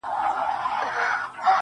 هم داسي ستا دا گل ورين مخ.